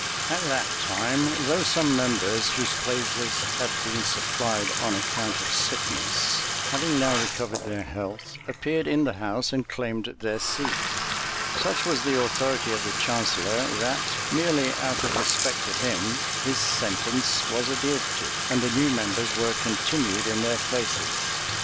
At that time, though some members, whose places had been supplied on account of sickness, having now recovered their health, appeared in the house and claimed their seat, such was the authority of the chancellor, that, merely out of respect to him, his sentence was adhered to, and the new members were continued in their places.